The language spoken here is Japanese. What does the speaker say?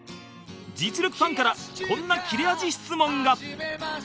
実力ファンからこんな切れ味質問が